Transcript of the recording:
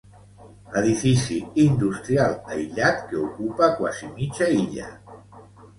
Edifici industrial aïllat que ocupa quasi mitja illa.